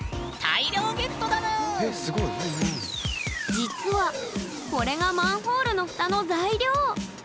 実はこれがマンホールの蓋の材料。